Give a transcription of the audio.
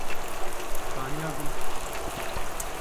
Kaniya Gund